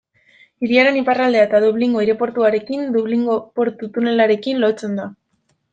Hiriaren iparraldea eta Dublingo aireportuarekin Dublingo portuko tunelarekin lotzen da.